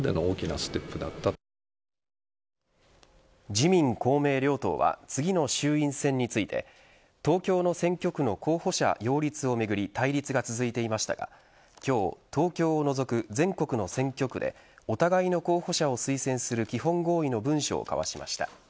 自民・公明両党は次の衆院選について東京の選挙区の候補者擁立をめぐり対立が続いていましたが今日、東京を除く全国の選挙区でお互いの候補者を推薦する基本合意の文書を交わしました。